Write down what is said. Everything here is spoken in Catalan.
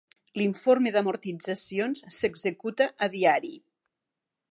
L'informe d'amortitzacions s'executa a diari.